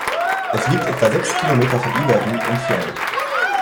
Es liegt etwa sechs Kilometer von Yverdon entfernt.